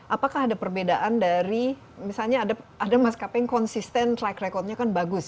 apakah ada perbedaan dari misalnya ada maskapai yang konsisten track recordnya kan bagus